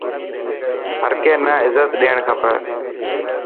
هر ڪي نا عزت ڏيڻ کپي.